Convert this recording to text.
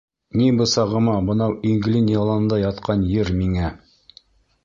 Ни бысағыма бынау Иглин яланында ятҡан ер миңә.